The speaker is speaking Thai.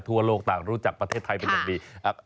ทั่วโลกต่างรู้จักประเทศไทยเป็นอย่างดี